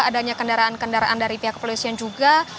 adanya kendaraan kendaraan dari pihak kepolisian juga